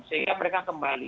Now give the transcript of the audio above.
sehingga mereka kembali